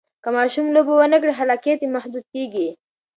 که ماشوم لوبه ونه کړي، خلاقیت یې محدود کېږي.